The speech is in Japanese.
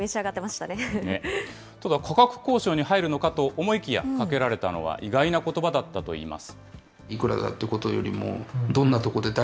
ただ、価格交渉に入るのかと思いきや、かけられたのは意外なことばだったといいます。